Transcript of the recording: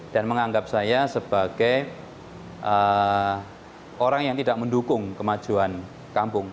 dan menganggap saya sebagai orang yang tidak mendukung kemajuan kampung